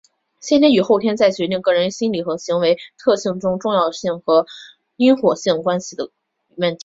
先天与后天在决定个人心理和行为特性中的重要性或因果关系的问题。